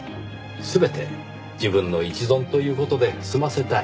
全て自分の一存という事で済ませたい。